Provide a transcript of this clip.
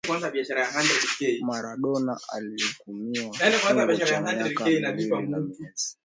Maradona alihukumiwa kifungo cha miaka miwili na miezi